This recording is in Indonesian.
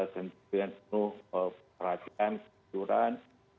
dengan penuh perhatian kejuran